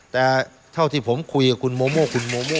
แต่เท่าที่ผมคุยกับคุณโมโม่คุณโมโม่